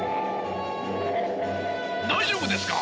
大丈夫ですか？